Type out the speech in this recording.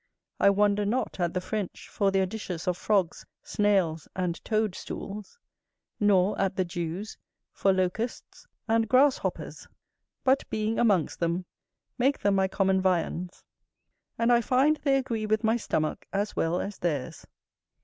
I wonder not at the French for their dishes of frogs, snails, and toadstools, nor at the Jews for locusts and grasshoppers; but, being amongst them, make them my common viands; and I find they agree with my stomach as well as theirs.